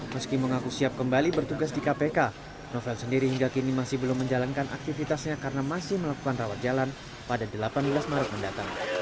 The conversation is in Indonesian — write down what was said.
meski mengaku siap kembali bertugas di kpk novel sendiri hingga kini masih belum menjalankan aktivitasnya karena masih melakukan rawat jalan pada delapan belas maret mendatang